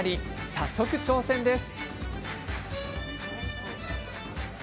早速、挑戦です。